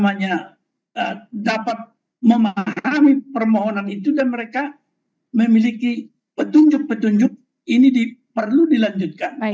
mereka dapat memahami permohonan itu dan mereka memiliki petunjuk petunjuk ini perlu dilanjutkan